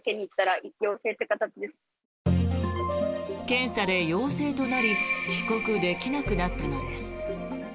検査で陽性となり帰国できなくなったのです。